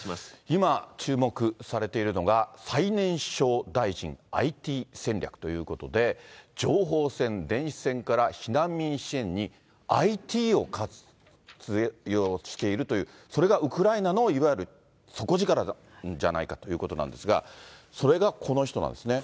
今、注目されているのが、最年少大臣ＩＴ戦略ということで、情報戦、電子戦から避難民支援にＩＴを活用しているという、それがウクライナのいわゆる底力じゃないかということなんですが、それがこの人なんですね。